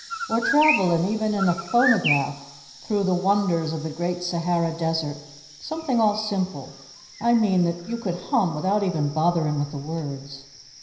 Or travellin' even in a phonograph through the wonders of the great Sahara Desert. Something all simple I mean that you could hum without even botherin' with the words.